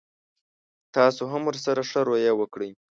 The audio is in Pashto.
تاسو هم ورسره ښه رويه وکړئ.